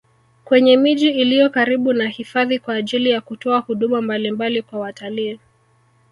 Kwenye miji iliyo karibu na hifadhi kwa ajili ya kutoa huduma mbalimbali kwa watalii